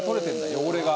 汚れが。